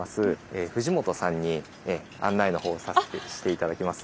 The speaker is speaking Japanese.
藤本さんに案内のほうをして頂きます。